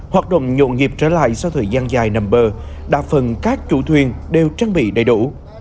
hoạt động nhộn nhịp trở lại sau thời gian dài nằm bờ đa phần các chủ thuyền đều trang bị đầy đủ